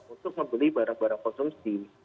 untuk membeli barang barang konsumsi